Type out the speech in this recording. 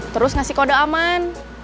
terus ngasih kode aman